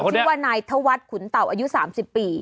ชื่อว่านายธวัฒน์ขุนเต่าอายุ๓๐ปี